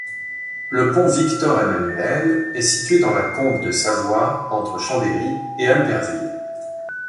Le pont Victor-Emmanuel est situé dans la combe de Savoie entre Chambéry et Albertville.